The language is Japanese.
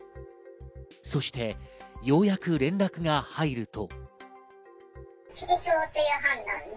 そしてようやく連絡が入ると。